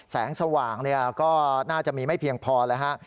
แสงสว่างเนี่ยก็น่าจะมีไม่เพียงพอเลยฮะ